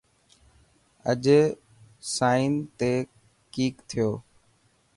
اڄ سائن تي ڪي ٿيو.